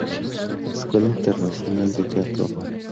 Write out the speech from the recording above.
Escuela Internacional de Teatro.